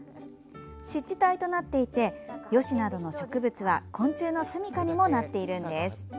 湿地帯となっていてヨシなどの植物は昆虫のすみかにもなっているんです。